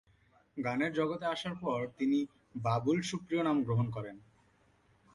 গানের জগতে আসার পর তিনি বাবুল সুপ্রিয় নাম গ্রহণ করেন।